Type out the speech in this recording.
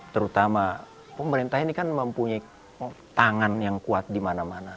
terutama pemerintah ini kan mempunyai tangan yang kuat di mana mana